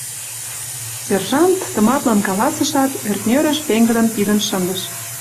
— сержант тыматлын каласышат, ӧртньӧрыш пеҥгыдын пидын шындыш.